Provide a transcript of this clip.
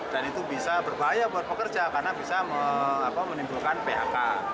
dan itu bisa berbahaya buat pekerja karena bisa menimbulkan phk